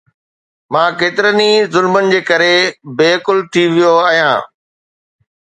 مان ڪيترن ئي ظلمن جي ڪري بي عقل ٿي ويو آهيان